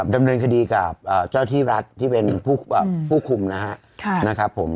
ดำเนินคดีกับเจ้าที่รัฐที่เป็นผู้คุมนะครับผม